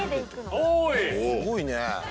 すごいね。